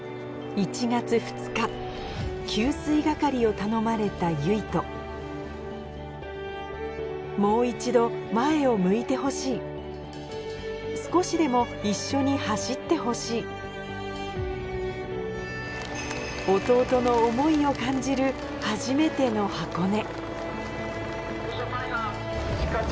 給水係を頼まれた唯翔もう一度前を向いてほしい少しでも一緒に走ってほしい弟の思いを感じる初めての箱根